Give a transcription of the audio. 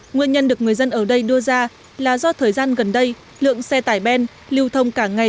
nguyên nhân được người dân ở đây đưa ra là do thời gian gần đây lượng xe tải ben lưu thông cả ngày